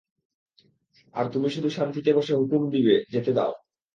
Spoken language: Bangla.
আর তুমি শুধু শান্তিতে বসে হুকুম দিবে যেতে দাও।